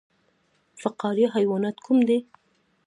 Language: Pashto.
فقاریه حیوانات کوم دي؟